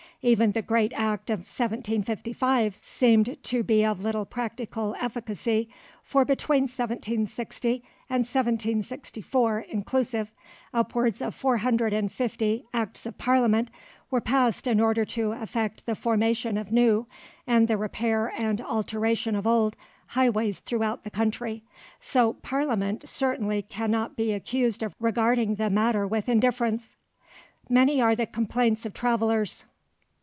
Even the great Act of 1755 seemed to be of little practical efficacy, for between 1760 and 1764 inclusive, upwards of four hundred and fifty Acts of Parliament were passed in order to effect the formation of new, and the repair and alteration of old, highways throughout the country, so Parliament certainly cannot be accused of regarding the matter with indifference. Many are the complaints of travellers.